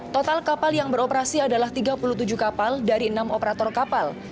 total kapal yang beroperasi adalah tiga puluh tujuh kapal dari enam operator kapal